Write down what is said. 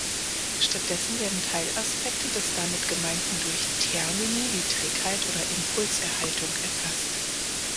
Stattdessen werden Teilaspekte des damit gemeinten durch Termini wie Trägheit oder Impulserhaltung erfasst.